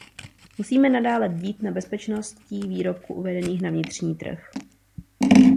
Musíme nadále bdít nad bezpečností výrobků uvedených na vnitřní trh.